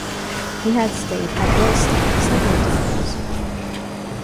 He had stayed at Willstown several times.